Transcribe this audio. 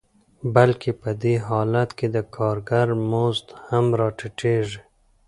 بلکې په دې حالت کې د کارګر مزد هم راټیټېږي